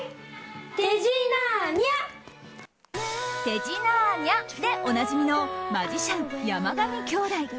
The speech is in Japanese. てじなーにゃでおなじみのマジシャン山上兄弟。